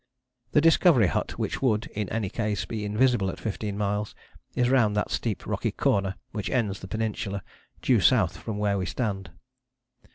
The Discovery hut, which would, in any case, be invisible at fifteen miles, is round that steep rocky corner which ends the Peninsula, due south from where we stand.